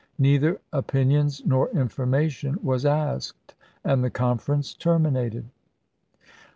.. Neither opinions opera nor information was asked, and the conference pp ^ex terminated."